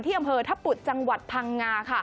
อำเภอทะปุดจังหวัดพังงาค่ะ